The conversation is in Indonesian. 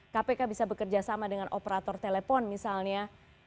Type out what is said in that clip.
kpk bisa bekerja sama dengan operator telepon misalnya